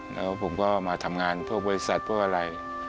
แล้วผมก็มาทำงานเพื่อบริษัทเพื่ออะไร